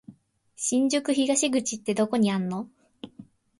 新宿東口ってどこにあんの？